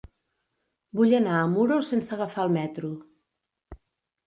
Vull anar a Muro sense agafar el metro.